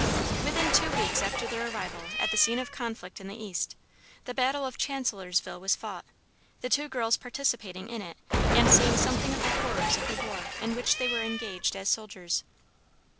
Within two weeks after their arrival at the scene of conflict in the East, the battle of Chancellorsville was fought, the two girls participating in it and seeing something of the horrors of the war in which they were engaged as soldiers.